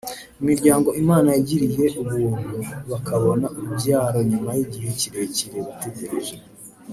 Imiryango Imana yagiriye ubuntu bakabona urubyaro nyuma y’igihe kirekire bategereje